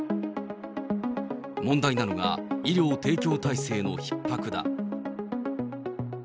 問題なのが、医療提供体制のひっ迫だ。